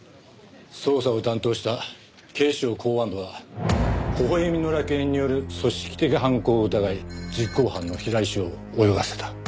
捜査を担当した警視庁公安部は微笑みの楽園による組織的犯行を疑い実行犯の平井翔を泳がせた。